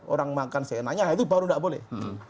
orang makan seenaknya itu baru tidak boleh